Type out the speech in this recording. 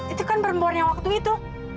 itu kan berenbornya waktu itu